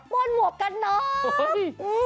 ป้นหมวกกันน๊อบ